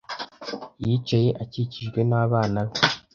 Yicaye akikijwe n'abana be.